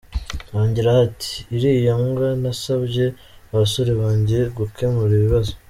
Yongeraho ati “Iriya mbwa nasabye abasore banjye gukemura ikibazo.”